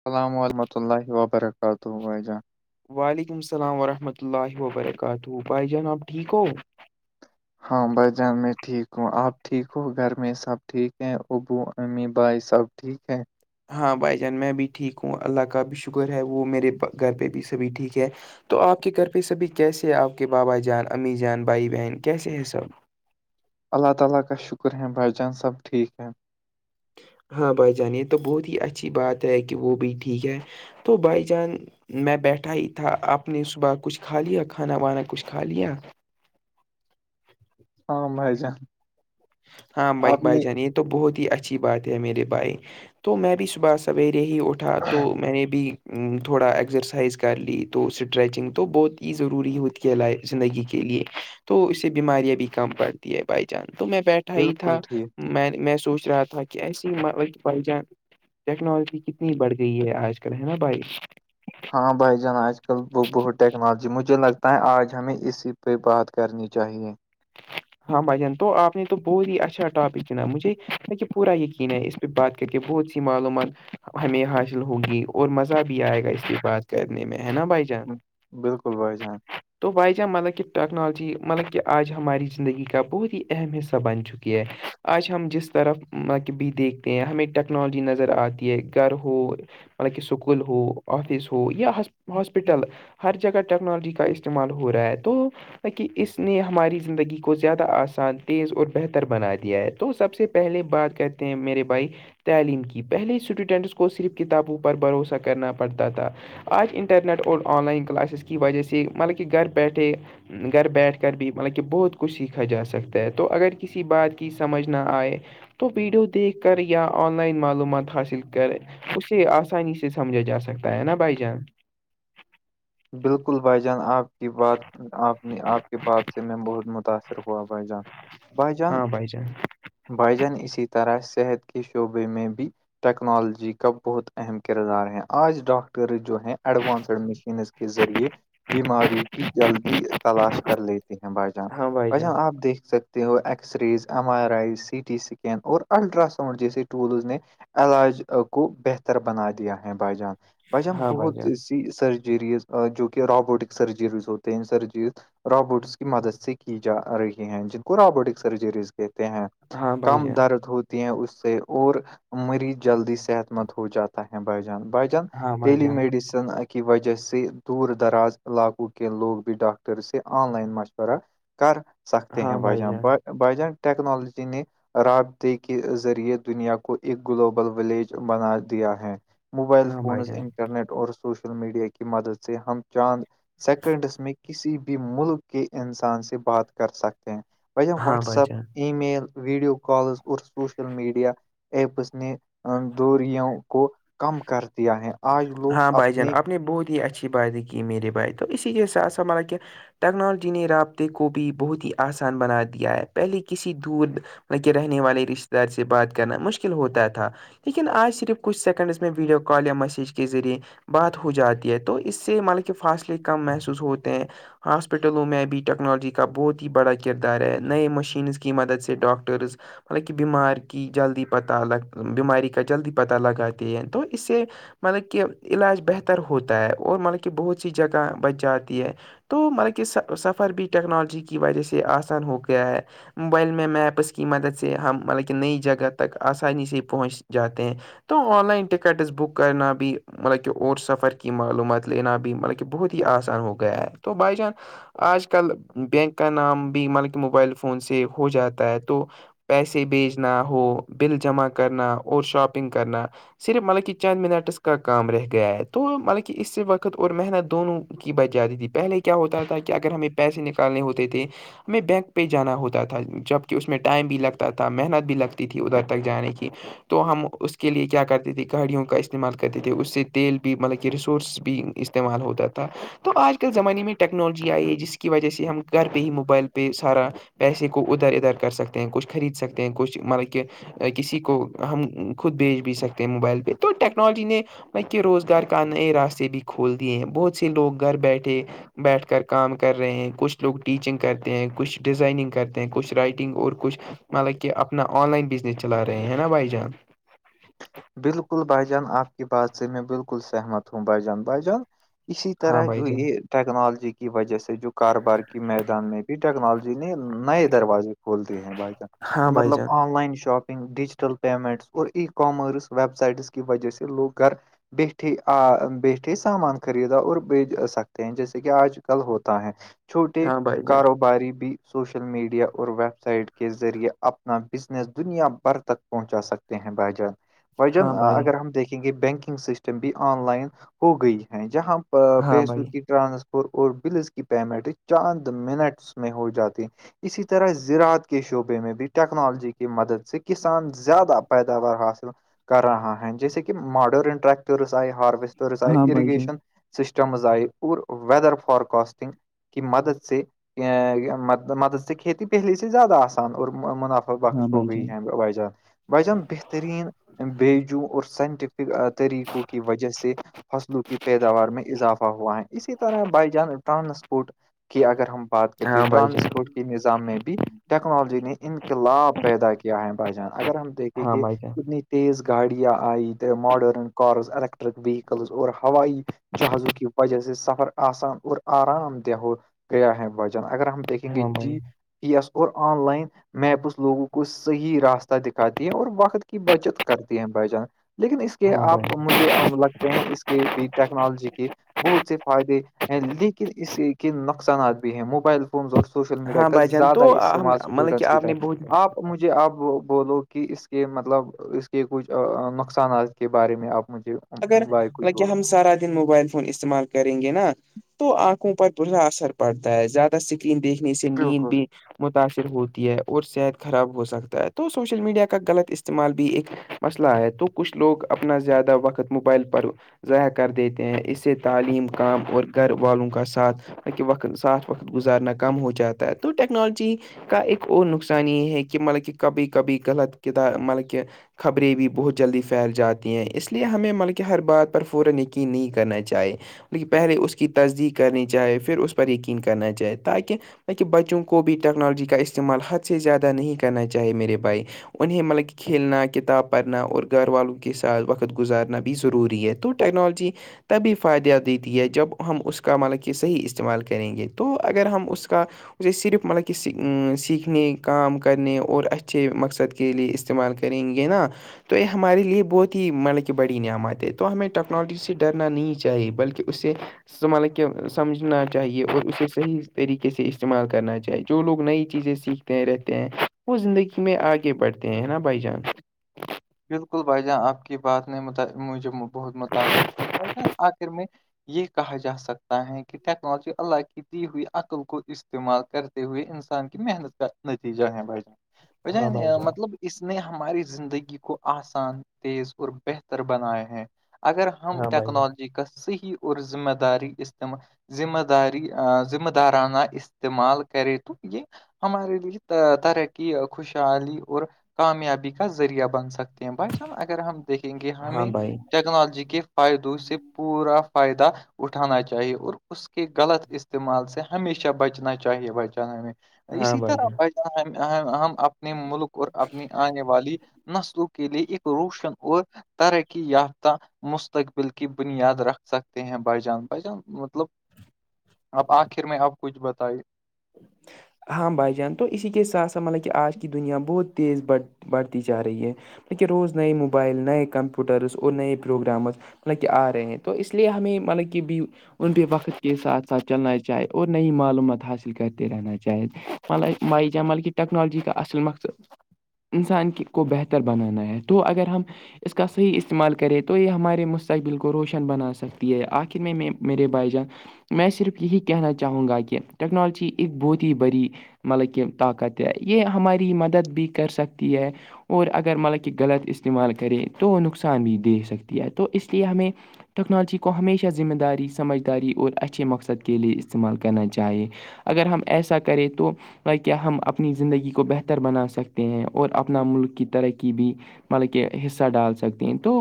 السلام ورحمۃ اللہ وبرکاتہ وعلیکم السلام ورحمۃ اللہ وبرکاتہ بھائی جان آب ٹھیک ہو ہاں بائی جان میں ٹھیک ہوں آپ ٹھیک ہو گھر میں سب ٹھیک ہیں ابو امی بھائی سب ٹھیک ہے ہاں بھائی جان میں بھی ٹھیک ہوں اللہ کا بھی شکر ہے وہ میرے گھر پہ بھی سبھی ٹھیک ہے تو آپ کے گھر پہ سبھی کیس ہے آپ کے بابا جان امی جان بھائی بہن کیسے ہیں سب اللہ تعالی کا شکر ہے بھائی جان سب ٹھیک ہیں ہاں بھائی جان یہ تو بہت ہی اچھی بات ہے کہ وہ بھی ٹھیک ہے تو بھائی جان میں بیٹھا ہی تھا آپ نے صبح کچھ کھا لیا کھانا وانا کچھ کھا لیا [unintelligible] ہاں بھائی جان ہاں بھائی آپ بھائی نے جان یہ تو بہت ہی اچھی بات ہے میرے بھائی تو میں بھی صبح سویرے ہی اٹھا تو میں نے بھی تھوڑا ایگسرسائز کر لی تو اسٹریچنگ تو بہت ہی ضروری ہوود کے لائے زندگی کے لیے تو اس سے بیماریاں بھی کم پڑتی ہے بائی چانس تو میں بیٹھا ہی بالکل تھا ٹھیک میں میں سوچ رہا تھا کہ سی بائی جان ٹیکنالوجی کتنی بڑھ گئی ہے آج کل ہے نا بھائی ہاں بھائی جان آج کل وہ بہت ٹیکنالوجی مجھے لگتا ہے آج ہمیں اسی پہ بات کرنی چاہیے ہاں بھجان تو آپ نے تو بہت ہی اچھا ٹاپک چنا مجھے ب کہ پورا یقین ہے اس پ بات کر کے بہت سی معلومات ہمیں حاصل ہوگی اور مزہ بھی آئے گا اس کے بعد کرنے میں ہے نا بائی چانس بالکل بسان تو بائی جہاں مطلب کہ ٹیکنالوجی مطلب کہ آج ہماری زندگی کا بہت ہی اہم حصہ بن چکی ہے آج ہم جس طرف ماں کےب دیکھتے ہیں ہمیں ٹیکنالوجی نظر آتی ہے گھر ہو حک اسکول ہو آفس ہو یا ہاسپٹل ہر جگہ ٹیکنالوجی کا استعمال ہو رہا ہے تو کہ اس نے ہماری زندگی کو زیادہ آسان تیز اور بہتر بنا دیا ہے تو سب سے پہلے بات کرتے ہیں میرے بھائی تعلیم کی پہلے اسٹوڈنٹس کو صرف کتابوں پر بھروسہ کرنا پڑتا تھا آج انٹرنیٹ اور آن لائن کلاسز کی وجہ سے مطلب کہ گھر پیٹھے ہے گھر بیٹھ کر بھی مطلب کہ بہت کچھ سیکھا جا سکتا ہے تو اگر کسی بات کی سمجھ نہ آئے تو ویڈیو دیکھ کر یا آن لائن معلومات حاصل کریں اسے آسانی سے سمجھا جا سکتا ہے نا بھائی جان بالکل بھائی جان آپ کی بات آپ نے آپ کی بات سے میں بہت متاثر ہوا بھائی جان بھائی جان ہاں بھائی بھائی جن اسی طرح صحت کے شعبے میں بھی ٹیکنالوجی کا بہت اہم کردار ہے آج ڈاکٹر جو ہیں ایڈوانسڈ مشینز کے ذریعے بیماریوں کی جلدی تلاش کر لے بھ جان ہاں بھائی بھ جان آپ دیکھ سکتے وہ X rays M R I C T scan اور الٹراساؤنڈ جیسے ٹولز نے علاج کو بہتر بنا دیا ہے بھائی جان بھائی جان ہاں بہت جان سی سرجریز جو کہ روابوٹک سرجریز ہوتے ہیں سرجریز روبوٹس کی مدد سے کی جا رہی ہیں جن کو روابوٹک سرجریز کہتے ہیں ہاں بھائی کم جان درد ہو ہیں اس سے اور مریض جلدی صحت مند ہو جاتا ہے بائی جان بائیجان ہاں بھائی ٹیلی جان میڈیسن کی وجہ سے دور دراز علاقوں کے لوگ بھی ڈاکٹر سے آن لائن مشورہ کر سکتے ہیں ہاں بھائی بھجن جان بجان ٹیکنالوجی نے رابطے کے ذریعے دنیا کو ایک گلوبل ولیج بنا دیا ہے موبائل ہاں بھائی فونز جان انٹرنیٹ اور سوشل میڈیا کی مدد سے ہم چاند سیکنڈس میں کسی بھی ملک کے انسان سے بات کر سکتے ہیں ب ہاں واٹس بھائی ایپ جان ای میل ویڈیو کالز اور سوشل میڈیا ایپس نے دوریوں کو کم کر دیا ہے آج لوگ ہاں بھائی جان اپنے آپ نے بہت ہی اچھی باتیں کی میرے بھائی تو اسی ج سسا ملب کہ ٹیکنالوجی نے رابطے کو بھی بہت ہی آسان بنا دیا ہے پہلے کسی دور لک رہنے والے رشتے دار سے بات کرنا مشکل ہوتا تھا لیکن آج صرف کچھ سیکنڈز میں ویڈیو کال یا میسیج کے ذریعے بات ہو جاتی ہے تو اس سے مطلب کہ فاصلے کم محسوس ہوتے ہیں ہاسپٹلوں میں ابھی ٹیکنالوجی کا بہت ہی بڑا کردار ہے نئے مشینس کی مدد سے ڈاکٹرز مطلب کہ بیمار کی جلدی پتہ لگ بیماری کا جلدی پتہ لگاتے ہیں تو اس سے مطلب کہ علاج بہتر ہوتا ہے اور مطلب کہ بہت سی جگہ بچ جاتی ہے تو مطلب کہ سفر بھی ٹیکنالوجی کی وجہ سے آسان ہو گیا ہے موبائل میں میپس کی مدد سے ہم مطلب کہ نئی جگہ تک آسانی سے پہنچ جاتے ہیں تو آن لائن ٹکٹس بک کرنا بھی مطلب کہ اور سفر کی معلومات لینا بھی مطلب کہ بہت ہی آسان ہو گیا ہے تو بائی چانس آج کل بینک کا نام بھی مطلب کہ موبائل فون سے ہو جاتا ہے تو پیسے بھیجنا ہو بل جمع کرنا اور شاپنگ کرنا صرف مطلب کہ چند منٹس کا کام رہ گیا ہے تو مطلب کہ اس وقت اور محنت دونوں کی بچ جاتی تھی پہلے کی ہوتا تھا کہ اگر ہمیں پیسے نکالنے ہوتے تھے ہمیں بینک پہ جانا ہوتا تھا جبکہ اس میں ٹائم بھی لگتا تھا محنت بھی لگتی تھی ادھر تک جانے کی تو ہم اس کے لیے کیا کرتے تھے گھڑیوں کے کا استعمال کرتے تھے اس سے تیل بھی مطلب کہ ریسورس بھی استعمال ہوتا تھا تو آج کل زمانے میں ٹیکنالوجی آئی ہے جس کی وجہ سے ہم گھر پہ ہی موبائل پہ سارا پیسے کو ادھر ادھر کر سکتے ہیں کچھ خرید سکتے ہیں کچھ مطلب کہ کسی کو ہم خود بھیج بھی سکتے ہیں موبائل پہ تو ٹیکنالوجی نے بلک کہ روزگار کا نئے راستے بھی کھول دیے ہیں بہت سے لوگ گھر بیٹھے بیٹھ کر کام کر رہے ہیں کچھ لوگ ٹیچنگ کرتے ہیں کچھ ڈیزائننگ کرتے ہیں کچھ رائٹنگ اور کچھ مطلب کہ اپنا آن لائن بزنس چلا رہے ہیں نا بھائی جان بالکل بائی جان آپ کی بات سے میں بالکل سہمت ہوں بائی جان بائی جان اسی ہاں طرح بھائی جو جان یہ ٹیکنالوجی کی وجہ سے جو کاروبار کی میدان میں بھی ٹیکنالوجی نے نئے دروازے کھولتی ہیں بھائی جان ہاں بھائی مطلب جان online shopping digital payments اور ای کامرس ویب سائٹس کی وجہ سے لوگ گھر بیٹھے بیٹھے سامان خریدا اور بیج سکتے ہیں جیسے کہ آج کل ہوتا ہے چھوٹے ہاں بھائی جان کاروباری بھی سوشل میڈیا اور ویب سائٹ کے ذریعے اپنا بزنس دنیا بھر تک پہنچا سکتے ہیں بائی جان وجن ہاں بھائی اگر ہم دیکھیں گے بینکنگ سسٹم بھی آن لائن ہو گئی ہے جہاں ہاں پیسوں بھائی کی ٹرانسفر اور بلز کی پیمنٹ چاند منٹس میں ہو جاتی اسی طرح زراعت کے شعبے میں بھی ٹیکنالوجی کی مدد سے کسان زیادہ پیداوار حاصل کر رہا ہیں جیسے کہ ماڈرن ٹریکٹرس آئے ہارویسٹرس آئے ہاں بھائی جان اریگیشن سسٹمز آئی اورور ویدر فارکاسٹنگ کہ مدد سے مدد سے کھیتی پہلی سے زیادہ آسان اور مناف ہاں وقش ہو بھائی گئی جان ہے وائی جان وائی جان بہترین بیجو اور سائنٹف طریقوں کی وجہ سے فصلوں کی پیداوار میں اضافہ ہوا ہے اسی طرح بائی جان ٹرانسپورٹ کی اگر ہم بات کرتے ہاں ہیں بھائی جان ٹرانسپورٹ کے نظام میں بھی ٹیکنالوجی نے انقلاب پیدا کیا ہے بھائی جان اگر ہم دیکھیں ہاں کہ بھائی جان اتنی تیز گاڑیاں آئی ماڈرن کارز ایلییکٹرک ویہکلز اور ہوائائیی جہازوں کی وجہ سے سفر آسان اور آرام دہ ہو گیا ہے وجن اگر ہم دیکھیں گے ہاں بھائی جی یس اور آن لائن میپس لوگوں کو صحیح راستہ دکھاتی ہیں اور وقت کی بچت کرتی ہیں بائی جان لیکن اس کے ہاں بھائی آپ مجھے لگتے ہیں اس کے بھی ٹیکنالوجی کی بہت سے فائدے ہیں لیکن اس کے نقصانات بھی ہیں موبائل اور سوشل میڈیا ہاں کا بھائی جان زیادہ تو ہم استعمال مطلب کہ اسٹوڈینٹس کی آپ تھا نے آپ بہت مجھے آپ بولو کہ اس کے مطلب اس کے کچھ نقصانات کے بارے میں آپ مجھے اگر بائے کچھ مطلب کہ بولو ہم سارا دن موبائل استعمال کریں گے نا تو آنکھوں پر برا اثر پڑتا ہے زیادہ اسکرین دیکھنے سے نیند بالکل بھی متاثر ہوتی ہے اور صحت خراب ہو سکتا ہے تو سوشل میڈیا کا غلط استعمال بھی ایک مسئلہ ہے تو کچھ لوگ اپنا زیادہ وقت موبائل پر ضائع کر دیتے ہیں اس سے تعلیم کام اور گھر والوں کا ساتھ کہ وقت ساتھ وقت گزارنا کم ہو جاتا ہے تو ٹیکنالوجی کا ایک اور نقصان یہ ہے کہ مطلب کہ کبھی کبھی غلط کدار مطلب کہ خبریں بھی بہت جلدی پھیل جاتی ہیں اس لیے ہمیں مطلبکہ ہر بات پر فورایقین نہیں کرنا چاہے پہلے اس کی تصدیق کرنی چاہے پھر اس پر یقین کرنا چاہے تاکہ بکہ بچوں کو بھی ٹیکنالوجی کا استعمال حد سے زیادہ نہیں کرنا چاہے میرے بھائی انہیں مطلب کہ کھیلنا کتاب پڑھنا اور گھر والوں کے ساتھ وقت گزارنا بھی ضروری ہے تو ٹیکنالوجی تبھی فائدہ دیتی ہے جب ہم اس کا مطلب کہ صحیح استعمال کریں گے تو اگر ہم اس کا اسے صرف مطلب کہ سیکھنے کام کرنے اور اچھے مقصد کے لیے استعمال کریں گے نا تو یہ ہمارے لیے بہت ہی مطلب کہ بڑی نعم آتے تو ہمیں ٹیکنالوجی سے ڈرنا نہیں چاہیے بلکہ اس سے مطلب کہ سمجھنا چاہیے اور اسے صحیح طریقے سے استعمال کرنا چاہیے جو لوگ نئی چیزیں سیکھ رہتے ہیں وہ زندگی میں آگے بڑھتے ہیں نا بھائی جان بالکل بھائی جان آپ کی بات نے موجب بہت متاثر کیا بھ جان آخر میں یہ کہا جا سکتا ہے کہ ٹیکنالوجی اللہ کی دی ہوئی عقل کو اس استعمال کرتے ہوئے انسان کی محنت کا نتیجہ ہے بجن ہاں بھائی ب جان مطلب اس نے ہماری زندگی کو آسان تیز اور بہتر بنائے ہیں اگر ہم ہاں بھائی جان ٹیکنالوجی کا صحیح اورور ذمہ داری استعمال ذمہ داری ذمہ دارانہ استعمال کرے تو یہ ہمارے لیے ترقی خوشحالی اور کامیابی کا ذریعہ بن سک سکتے ہیں بھائی سان اگر ہم دیکھیں گے ہاں ہمیں بھائی ٹیکنالوجی کے فائدو اس سے پورا فائدہ اٹھانا چاہیے اور اس کے غلط استعمال سے ہمیشہ بچنا چاہیے بچن ہمیں ہاں اسی بھائی جان طرح اپنے ملک اور اپنی آنے والی نسلوں کو کے لیے ایک روشن اور طرح کی یافہ مستقبل کی بنیاد رکھ سکتے ہیں بائیجان بائی جان مطلب اب آخر میں اب کچھ بتائی ہاں بھائی جان تو اسی کے ساتھ ساتھ مطلب کہ آج کی دنیا بہت تیز بڑھ بڑھتی جا رہی ہے لیکن روز نئے موبائل نئے کمپیوٹرز اور نئے پروگرامز مطلب کہ آ رہے ہیں تو اس لیے ہمیں مطلب کہ بھی ان بھی وقت کے ساتھ ساتھ چلنا چاہے اور نئی معلومات حاصل کرتے رہنا چاہیید مائی جمعل کی ٹیکنالجی کا اصل مقصد انسان کی کو بہتر بنانا ہے تو اگر ہم اس کا صحیح استعمال کرے تو یہ ہمارے مستقبل کو روشن بنا سکتی ہے آخر میں میرے بھائی جان میں صرف یہی کہنا چاہوں گا کہ ٹیکنالوجی ی ایک بہت ہی بڑی مطلب کہ طاقت ہے یہ ہماری مدد بھی کر سکتی ہے اور اگر مطلب کہ غلط استعمال کریں تو نقصان بھی دے سکتی ہے تو اس لیے ہمیں ٹیکنالوجی کو ہمیشہ ذمہ داری سمجھ داری اور اچھے مقصد کے لے استعمال کرنا چاہیے اگر ہم ایسا کریں تو کیاہ ہم اپنی زندگی کو بہتر بنا سکتے ہیں اور اپنا ملک کی ترقی بھی مطلب کہ حصہ ڈال سکتے ہیں تو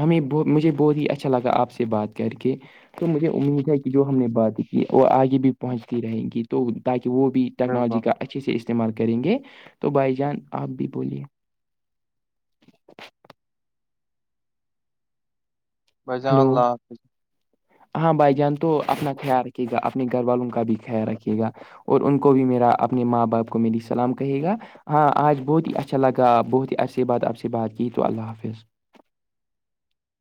ہمیں مجھے بہت ہی اچھا لگا آپ سے بات کر کے تو مجھے امید ہے کہ جو ہم نے بات کی وہ آگے بھی پہنچتی رہیں گی تو تاکہ وہ بھی بالکل ٹیکنالوجی کا اچھے سے استعمال کریں گے تو بھائی جان آپ بھی بولیے بجان ہلو اللہ حافظ ہاں بھائی جان تو اپنا خیال رکھیے گا اپنے گھر والوں کا بھی خیال رکھیے گا اور ان کو بھی میرا اپنے ماں باپ کو میری سلام کہے گا ہاں آج بہت ہی اچھا لگا بہت ہی عرسیی بات عرسی بات کی تو اللہ حافظ